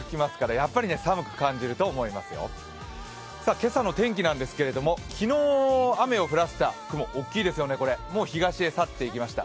今朝の天気なんですけれども、昨日、雨を降らせた雲、大きいですよね、これ、もう東へ去っていきました。